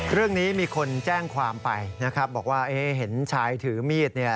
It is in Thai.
เรื่องนี้มีคนแจ้งความไปนะครับบอกว่าเอ๊ะเห็นชายถือมีดเนี่ย